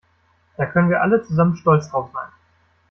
Da können wir alle zusammen stolz drauf sein!